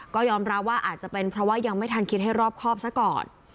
ก็ยอมรับว่าอาจจะเป็นเพราะว่ายังไม่ทันคิดให้รอบครอบซะก่อน